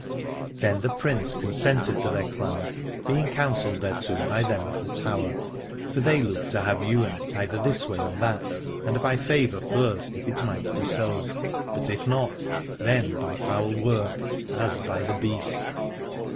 Then the Prince consented to their clam our, being counselled thereto by them of the Tower : for they looked to have Ywain either this way or that, and by favour first, if it might be so, but if not, then by foul work, as by the Beast.